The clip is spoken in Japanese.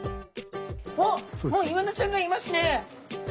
おっもうイワナちゃんがいますね。